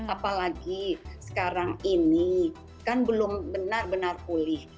apalagi sekarang ini kan belum benar benar pulih